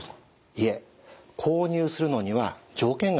いえ購入するのには条件があります。